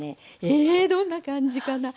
ええどんな感じかな？